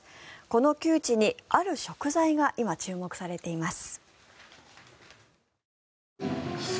この窮地にある食材が今、注目されています。